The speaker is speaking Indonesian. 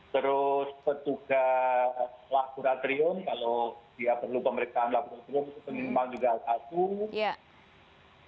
terus petugas laboratorium kalau dia perlu pemeriksaan laboratorium pengimbang juga satu